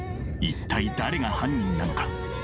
一体誰が犯人なのか。